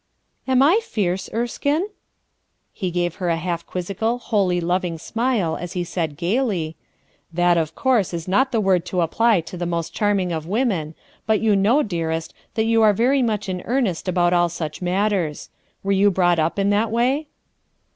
"Am I fierce, Erekine?" lie gave her a half quizzical, wholly loving smile as he said gayly; — "That of course k not the word to apply to the most charming of women, but you know, dearest, that you are very much in earnest about all such matters. Were you brought up in that way?"